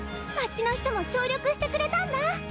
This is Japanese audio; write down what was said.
街の人も協力してくれたんだ。